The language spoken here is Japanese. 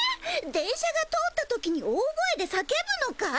電車が通った時に大声で叫ぶのかい？